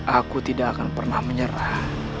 aku tidak akan pernah menyerah